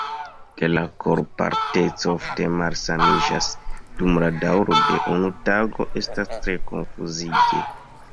Ke la korpalteco ofte malsamiĝas dum la daŭro de unu tago estas tre konfuzige.